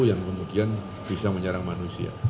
yang kemudian bisa menyerang manusia